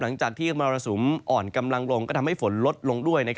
หลังจากที่มรสุมอ่อนกำลังลงก็ทำให้ฝนลดลงด้วย